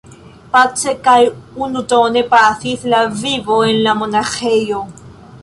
Pace kaj unutone pasis la vivo en la monaĥejo.